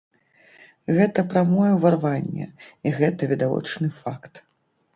Гэта прамое ўварванне, і гэта відавочны факт.